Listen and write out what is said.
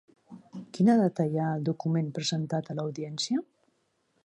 Quina data hi ha al document presentat a l'Audiència?